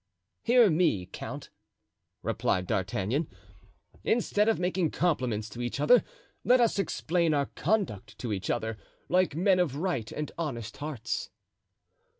"Hear me, count," replied D'Artagnan; "instead of making compliments to each other, let us explain our conduct to each other, like men of right and honest hearts."